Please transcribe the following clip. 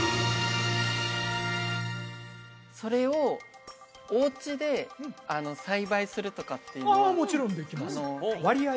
それをおうちで栽培するとかっていうのはもちろんできます割合